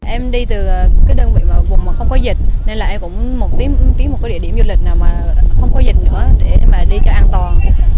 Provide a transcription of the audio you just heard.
em đi từ đơn vị vùng mà không có dịch nên là em cũng tí một địa điểm du lịch nào mà không có dịch nữa để mà đi cho an toàn